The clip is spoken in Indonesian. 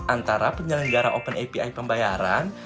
antara penyelenggara open api pembayaran